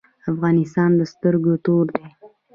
افغانستان د سترګو تور دی؟